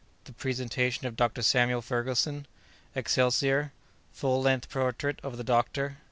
—The Presentation of Dr. Samuel Ferguson.—Excelsior.—Full length Portrait of the Doctor.